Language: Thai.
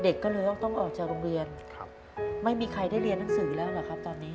เด็กก็เลยต้องออกจากโรงเรียนไม่มีใครได้เรียนหนังสือแล้วเหรอครับตอนนี้